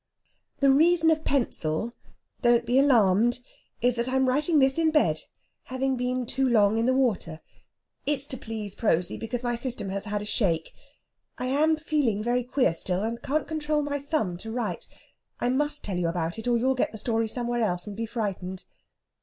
"The reason of pencil (don't be alarmed!) is that I am writing this in bed, having been too long in the water. It's to please Prosy, because my System has had a shake. I am feeling very queer still, and can't control my thumb to write. I must tell you about it, or you'll get the story somewhere else and be frightened.